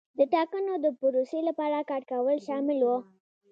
د ټاکنو د پروسې لپاره کار کول شامل وو.